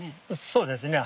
そうですね。